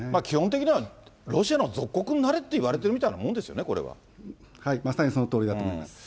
基本的にはロシアの属国になれって言われてるみたいなもんでまさにそのとおりだと思いま